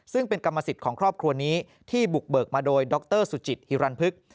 ซึ่งเป็นกรรมสิทธิ์ของครอบครัวนี้ที่บุกเบิกมาโดยดรสุจิตฮิรันพึก